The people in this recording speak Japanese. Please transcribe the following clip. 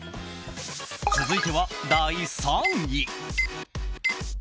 続いては第３位。